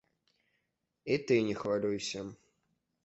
І ты не хвалюйся.